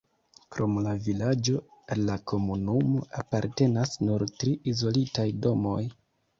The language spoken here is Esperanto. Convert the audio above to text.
Krom la vilaĝo al la komunumo apartenas nur tri izolitaj domoj.